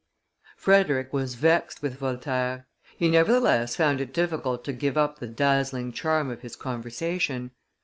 Frederick was vexed with Voltaire; he nevertheless found it difficult to give up the dazzling charm of his conversation.